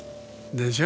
でしょ？